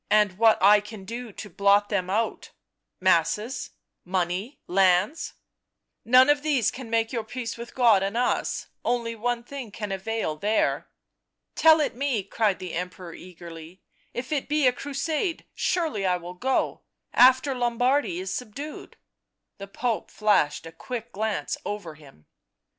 " And what I can do to blot them out — masses, money, lands "" Hone of these can make your peace with God and us — one thing only can avail there." " Tell it me," cried the Emperor eagerly. " If it be a crusade, surely I will go — after Lombardy is subdued." The Pope flashed a quick glance over him.